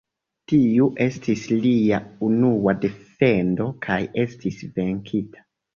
Tiu estis lia unua defendo kaj estis venkita.